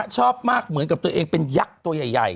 ชอบมากเหมือนกับตัวเองเป็นยักษ์ตัวใหญ่